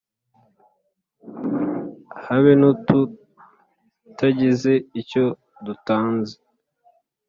Habe n’ututagize icyo dutanze,